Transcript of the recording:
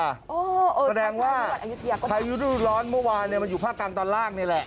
หมดแรงแวะไพยูดูร้อนเมื่อวานหรือภาคการตอนล่างนี่แหละ